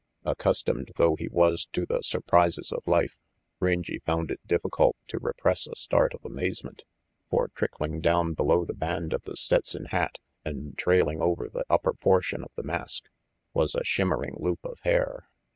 Accustomed though he was to the surprises of life, Rangy found it difficult to repress a start of amazement. For trickling down below the band of the Stetson hat and trailing out over the upper portion of the mask was a shimmering loop of hair.